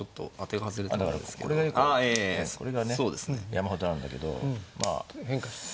山ほどあるんだけどまあ変化して。